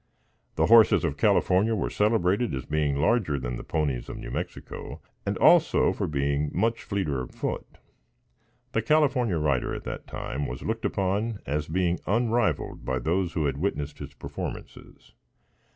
The horses of California were celebrated as being larger than the ponies of New Mexico, and also for being much fleeter of foot. The California rider, at that time, was looked upon as being unrivaled by those who had witnessed his performances.